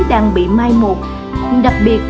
đang bị mai một